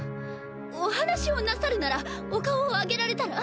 お話をなさるならお顔を上げられたら？